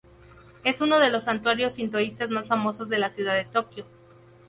Es uno de los santuarios sintoístas más famosos de la ciudad de Tokio.